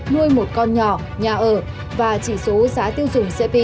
nuôi một con nhỏ nhà ở và chỉ số giá tiêu dùng cp